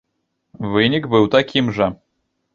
Вынік быў такім жа.